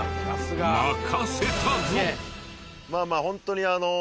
任せたぞ！